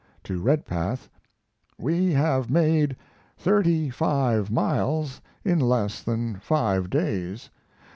To Redpath: We have made thirty five miles in less than five days.